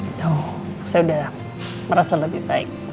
atau saya sudah merasa lebih baik